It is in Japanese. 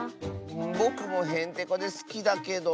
ぼくもへんてこですきだけど。